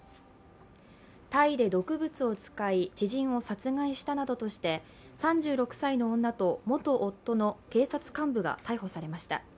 タイで毒物を使い知人を殺害したなどとして３６歳の女と元夫の警察幹部が逮捕されました。